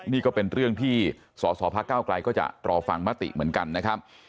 นี่ก็เป็นเรื่องที่สสพระเก้าไกลก็จะรอฟังมติเหมือนกันนะครับ